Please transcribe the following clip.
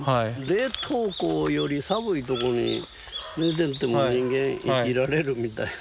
冷凍庫より寒いとこに寝てても人間生きられるみたいで。